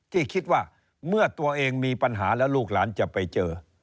ที่คิดว่าเมื่อตัวเองมีปัญหาแล้วลูกหลานจะไปเจอ